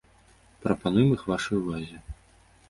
Прапануем іх вашай увазе.